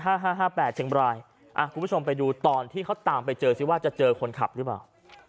คุณผู้ชมไปดูตอนที่เขาตามไปเจอซิว่าจะเจอคนขับหรือเปล่า